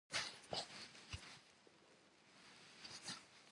Zığalh'i khak'ue jja'akhım.